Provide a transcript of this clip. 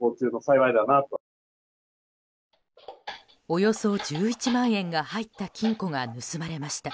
およそ１１万円が入った金庫が盗まれました。